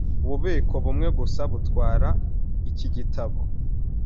Ububiko bumwe gusa butwara iki gitabo.